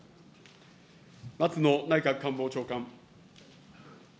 松野内閣官房長官。